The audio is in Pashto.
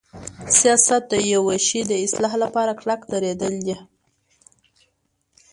سیاست د یوشی د اصلاح لپاره کلک دریدل دی.